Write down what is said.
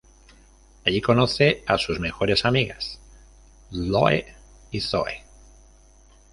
Allí conoce a sus mejores amigas: Chloe y Zoey.